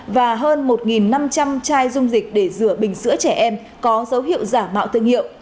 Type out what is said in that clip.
và hơn một năm trăm linh chai dung dịch để rửa bình sữa trẻ em có dấu hiệu giả mạo thương hiệu